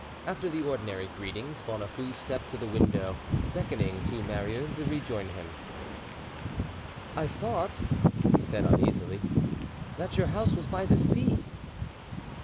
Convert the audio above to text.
After the ordinary greetings, Bonafoux stepped to the window, beckoning to Marouin to rejoin him. "I thought," he said uneasily, "that your house was by the sea."